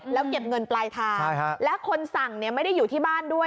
แล้วเก็บเงินปลายทางและคนสั่งไม่ได้อยู่ที่บ้านด้วย